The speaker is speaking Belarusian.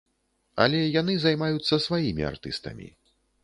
Але яны займаюцца сваімі артыстамі.